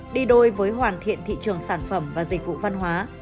đi đôi với hoàn thiện thị trường sản phẩm và dịch vụ văn hóa